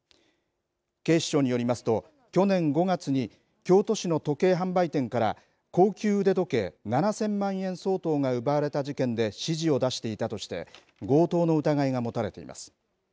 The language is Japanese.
警視庁によりますと去年５月に京都市の時計販売店から高級腕時計、７０００万円相当が奪われた事件で指示を出していたとして強盗の疑いが持たれています。